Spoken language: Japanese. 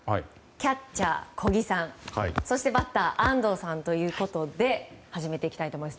キャッチャー小木さんそしてバッター、安藤さんということで始めていきたいと思います。